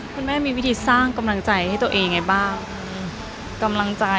คุณแม่มีวิธีสร้างกำลังใจให้ตัวเองไงบ้างกำลังใจ